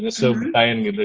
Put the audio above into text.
ngesum kain gitu